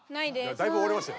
だいぶおわりましたよ。